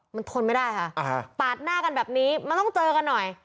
มันทนไม่ได้ค่ะปาดหน้ากันแบบนี้มันต้องเจอกันหน่อย